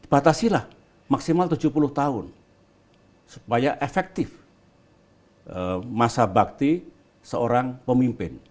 batasilah maksimal tujuh puluh tahun supaya efektif masa bakti seorang pemimpin